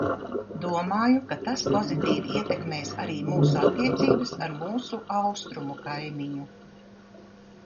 Domāju, ka tas pozitīvi ietekmēs arī mūsu attiecības ar mūsu Austrumu kaimiņu.